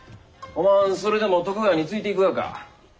おまんそれでも徳川についていくがか。